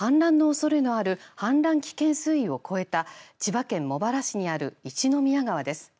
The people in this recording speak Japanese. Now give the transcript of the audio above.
映像は、氾濫のおそれのある氾濫危険水位を超えた千葉県茂原市にある一宮川です。